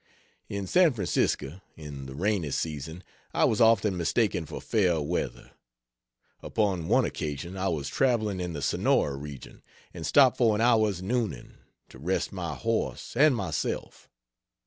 In San Francisco, in the rainy season I was often mistaken for fair weather. Upon one occasion I was traveling in the Sonora region, and stopped for an hour's nooning, to rest my horse and myself.